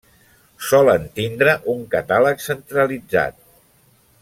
Solen tindre un catàleg centralitzat.